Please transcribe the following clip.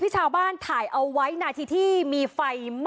รถหลาวออกเลยครับ